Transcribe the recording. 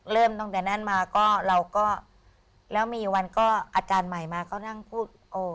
เริ่มตั้งแต่นั้นมาแล้วมีวันอาจารย์ใหม่มาเขานั่งพูด